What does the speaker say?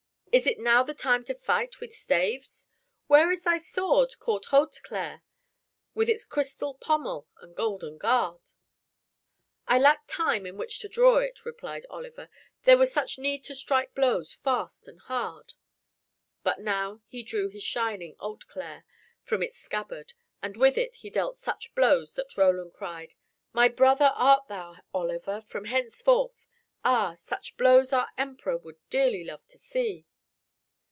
"Is it now the time to fight with staves? Where is thy sword called Hauteclere with its crystal pommel and golden guard?" "I lacked time in which to draw it," replied Oliver, "there was such need to strike blows fast and hard." But now he drew his shining Hauteclere from its scabbard, and with it he dealt such blows that Roland cried, "My brother art thou, Oliver, from henceforth. Ah! such blows our Emperor would dearly love to see."